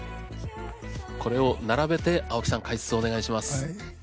これを並べて青木さん解説お願いします。